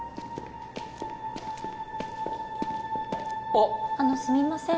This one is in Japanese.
あっあのすみません